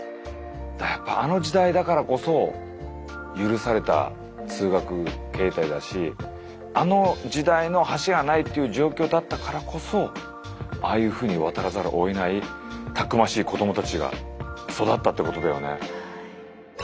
あの時代だからこそ許された通学形態だしあの時代の橋がないっていう状況だったからこそああいうふうに渡らざるをえないたくましい子供たちが育ったってことだよね。